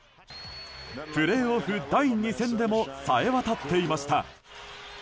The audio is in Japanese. プレーオフ第２戦でもさえわたっていました。